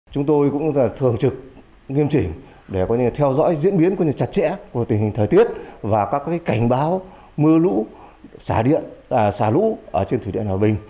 chúng tôi cũng thường trực nghiêm chỉnh để theo dõi diễn biến chặt chẽ của tình hình thời tiết và các cảnh báo mưa lũ xả lũ trên thủy điện hòa bình